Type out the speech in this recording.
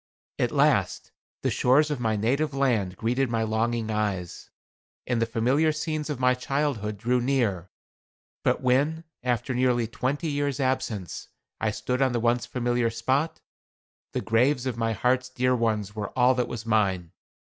At last the shores of my native land greeted my longing eyes, and the familiar scenes of my childhood drew near. But when, after nearly twenty years absence, I stood on the once familiar spot, the graves of my heart's dear ones were all that was mine.